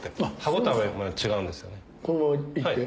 このままいって？